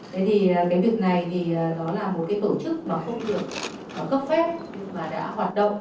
thế thì cái việc này thì nó là một cái tổ chức mà không được cấp phép và đã hoạt động